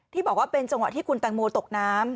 บอกว่าเป็นจังหวะที่คุณตังโมตกน้ำ